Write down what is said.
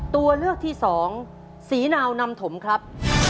ตัวเลือกที่สองศรีนาวนำถมครับ